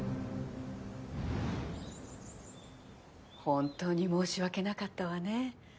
本当に申し訳なかったわね。